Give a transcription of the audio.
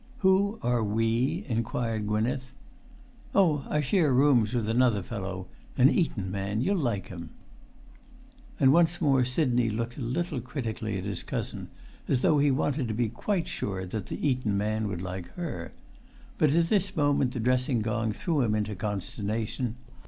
"Who are 'we'?" inquired Gwynneth. "Oh, I share rooms with another fellow; an Eton man; you'll like him." And once more Sidney looked a little critically at his cousin, as though he wanted to be quite sure that the Eton man would like her. But at this moment the dressing gong threw him into consternation.